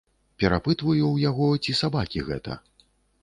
Перапытваю ў яго, ці сабакі гэта?